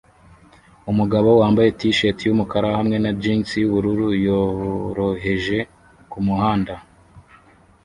Umugabo wambaye t-shati yumukara hamwe na jinsi yubururu yoroheje kumuhanda